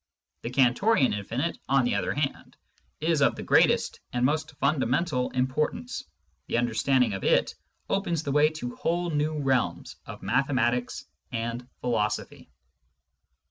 The Cantorian infinite, on the other hand, is of the greatest and most fundamental impor tance ; the understanding of it opens the way to whole new realms of mathematics and philosophy.